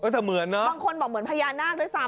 แต่เหมือนเนอะบางคนบอกเหมือนพญานาคด้วยซ้ำ